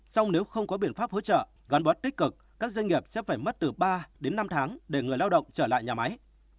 song nếu không có biện pháp hỗ trợ gắn bó tích cực các doanh nghiệp sẽ phải mất từ ba đến năm tháng để người lao động trở lại nhà máy